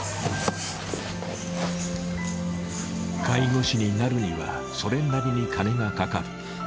介護士になるにはそれなりに金がかかる。